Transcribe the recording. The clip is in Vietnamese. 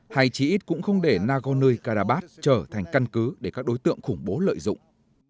hay chỉ ít cũng không để nagorno karabakh trở thành căn cứ để các đối tượng khủng bố lợi dụng